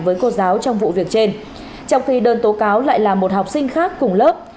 với cô giáo trong vụ việc trên trong khi đơn tố cáo lại là một học sinh khác cùng lớp